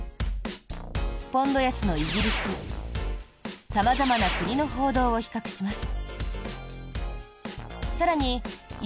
ポンド安のイギリス様々な国の報道を比較します。